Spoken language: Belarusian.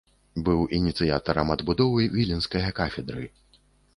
Быў ініцыятарам адбудовы віленскае кафедры.